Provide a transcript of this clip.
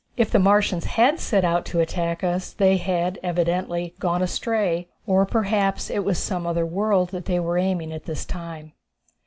If the Martians had set out to attack us they had evidently gone astray; or, perhaps, it was some other world that they were aiming at this time.